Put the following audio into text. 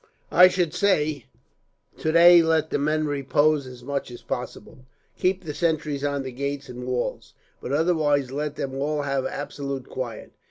"I should say, today let the men repose as much as possible; keep the sentries on the gates and walls, but otherwise let them all have absolute quiet.